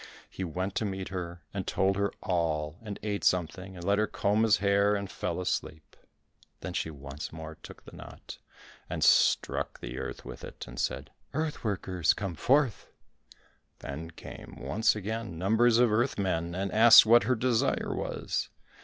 He went to meet her and told her all, and ate something, and let her comb his hair and fell asleep. Then she once more took the knot and struck the earth with it, and said, "Earth workers, come forth!" Then came once again numbers of earth men, and asked what her desire was.